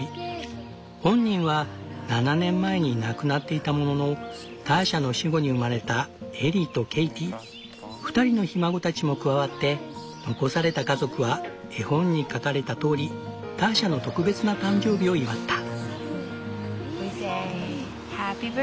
本人は７年前に亡くなっていたもののターシャの死後に生まれたエリーとケイティ２人のひ孫たちも加わって残された家族は絵本に描かれたとおりターシャの特別な誕生日を祝った。